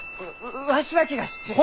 わしだけが知っちゅう。